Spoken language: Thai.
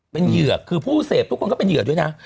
เป็นเหยื่อคือผู้เสพทุกคนก็เป็นเหยื่อด้วยนะ